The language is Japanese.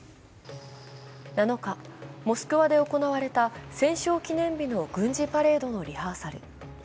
７日、モスクワで行われた戦勝記念日の軍事パレードのリハーサル。